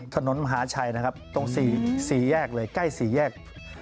ถนนมหาชัยตรง๔แยกหลาย๔แยก